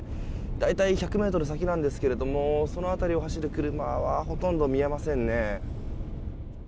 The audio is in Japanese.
大体１００ｍ先なんですがその辺りを走る車はほとんど見えませんね。